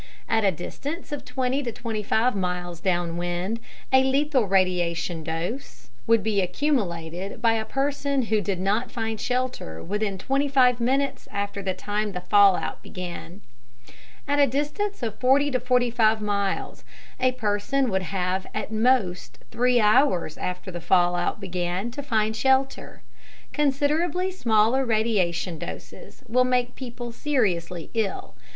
At a distance of 20 25 miles downwind, a lethal radiation dose (600 rads) would be accumulated by a person who did not find shelter within 25 minutes after the time the fallout began. At a distance of 40 45 miles, a person would have at most 3 hours after the fallout began to find shelter. Considerably smaller radiation doses will make people seriously ill.